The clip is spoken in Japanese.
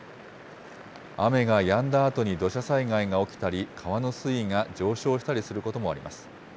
雨がやんだあとに土砂災害が起きたり、川の水位が上昇したりすることもあります。